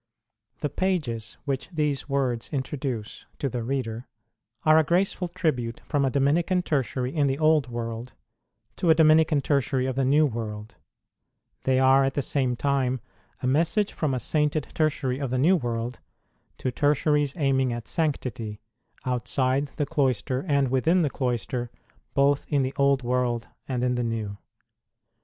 IJHE pages which these words introduce to the reader are a graceful tribute from a Dominican Tertiary in the Old World to a Dominican Tertiary of the New World ; they are at the same time a message from a sainted Tertiary of the New World to Tertiaries aiming at sanctity, outside the cloister and within the cloister, both in the Old World and in the New.